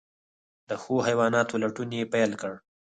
د ښو حیواناتو لټون یې پیل کړ.